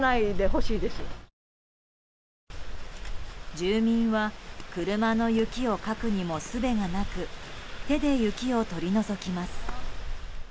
住民は、車の雪をかくにもすべがなく手で雪を取り除きます。